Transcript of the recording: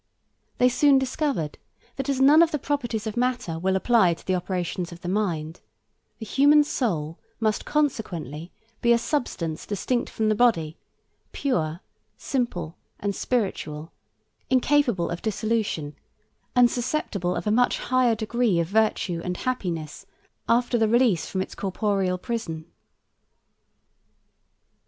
They soon discovered, that as none of the properties of matter will apply to the operations of the mind, the human soul must consequently be a substance distinct from the body, pure, simple, and spiritual, incapable of dissolution, and susceptible of a much higher degree of virtue and happiness after the release from its corporeal prison.